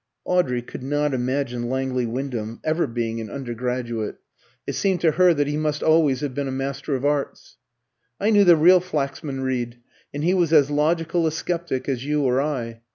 (Audrey could not imagine Langley Wyndham ever being an undergraduate; it seemed to her that he must always have been a Master of Arts.) "I knew the real Flaxman Reed, and he was as logical a sceptic as you or I.